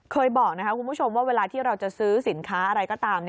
เคยบอกนะครับคุณผู้ชมว่าเวลาที่เราจะซื้อสินค้าอะไรก็ตาม